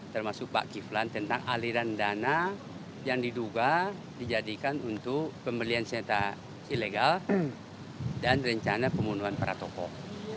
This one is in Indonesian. termasuk pak kiflan tentang aliran dana yang diduga dijadikan untuk pembelian senjata ilegal dan rencana pembunuhan para tokoh